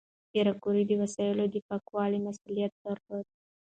پېیر کوري د وسایلو د پاکوالي مسؤلیت درلود.